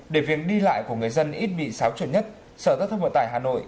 để việc đi lại của người dân ít bị xáo chuột nhất sở giao thông vận tải hà nội